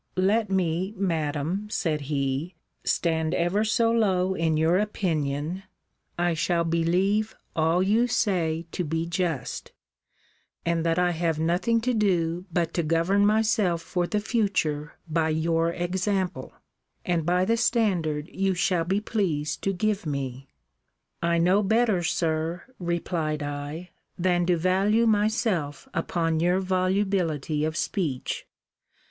Let me, Madam, said he, stand ever so low in your opinion, I shall believe all you say to be just; and that I have nothing to do but to govern myself for the future by your example, and by the standard you shall be pleased to give me. I know better, Sir, replied I, than to value myself upon your volubility of speech.